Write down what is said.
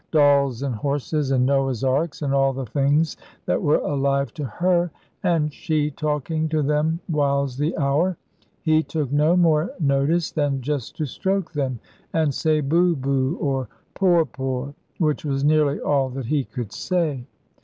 Dolls, and horses, and Noah's arks, and all the things that were alive to her, and she talking to them whiles the hour, he took no more notice than just to stroke them, and say, 'Boo, boo!' or 'Poor, poor!' which was nearly all that he could say.